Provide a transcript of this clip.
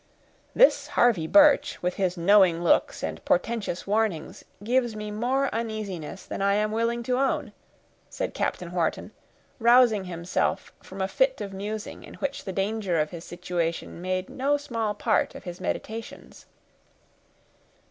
"This Harvey Birch, with his knowing looks and portentous warnings, gives me more uneasiness than I am willing to own," said Captain Wharton, rousing himself from a fit of musing in which the danger of his situation made no small part of his meditations.